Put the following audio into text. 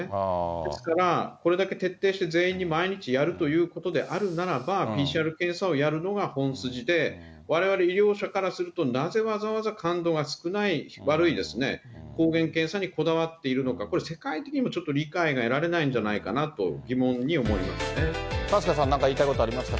ですから、これだけ徹底して全員に毎日やるということであるならば、ＰＣＲ検査をやるのが本筋で、われわれ医療者からすると、なぜわざわざ感度が少ない、悪い、抗原検査にこだわっているのか、これ世界的にもちょっと理解が得られないんじゃないかなと、疑問春日さん、何か言いたいことありますか？